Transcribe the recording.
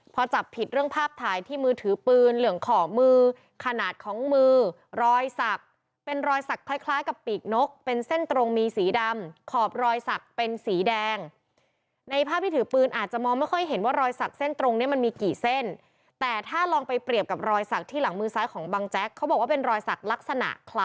พอจับผิดเรื่องภาพถ่ายที่มือถือปืนเหลืองขอบมือขนาดของมือรอยสักเป็นรอยสักคล้ายคล้ายกับปีกนกเป็นเส้นตรงมีสีดำขอบรอยสักเป็นสีแดงในภาพที่ถือปืนอาจจะมองไม่ค่อยเห็นว่ารอยสักเส้นตรงเนี้ยมันมีกี่เส้นแต่ถ้าลองไปเปรียบกับรอยสักที่หลังมือซ้ายของบังแจ๊กเขาบอกว่าเป็นรอยสัก